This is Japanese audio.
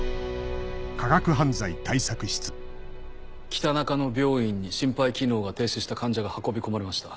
北中野病院に心肺機能が停止した患者が運び込まれました。